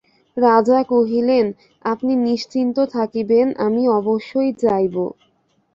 রাজা কহিলেন, আপনি নিশ্চিন্ত থাকিবেন আমি অবশ্য যাইব।